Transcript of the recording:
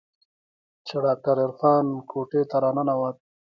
چې ډاکتر عرفان کوټې ته راننوت.